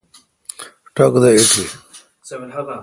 ٹک دے ایٹھی۔